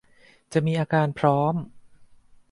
จะมีอาการพร้อม